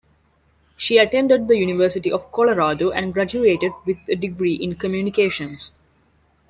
She attended the University of Colorado and graduated with a degree in Communications.